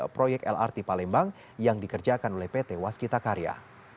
proyek lrt palembang yang dikerjakan oleh pt waskita karya